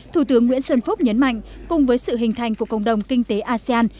thủ tướng nguyễn xuân phúc nhấn mạnh cùng với sự hình thành của cộng đồng kinh tế asean